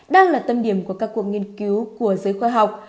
đang là tâm điểm của các cuộc nghiên cứu của giới khoa học